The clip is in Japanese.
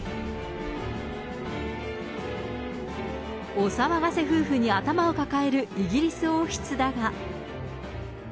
お騒がせ夫婦に頭を抱えるイギリス王室だが。